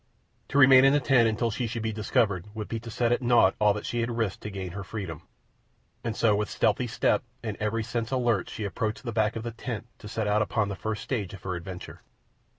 To remain in the tent until she should be discovered would be to set at naught all that she had risked to gain her freedom, and so with stealthy step and every sense alert she approached the back of the tent to set out upon the first stage of her adventure.